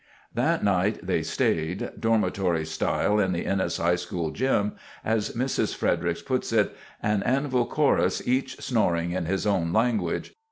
That night they stayed—dormitory style in the Ennis High School Gym—as Mrs. Fredericks put it, "An anvil chorus, each snoring in his own language."